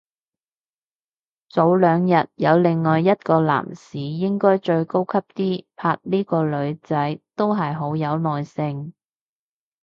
早兩日有另一個男士應該再高級啲拍呢個女仔，都係好有耐性